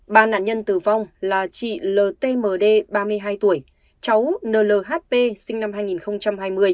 ba nạn nhân tử vong là chị ltmd ba mươi hai tuổi cháu nhp sinh năm hai nghìn hai mươi